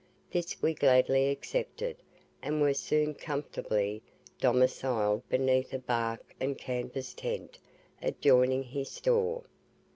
This we gladly accepted, and were soon comfortably domiciled beneath a bark and canvas tent adjoining his store.